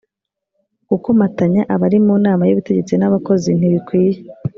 gukomatanya abari mu nama y’ubutegetsi n’abakozi ntibikwiye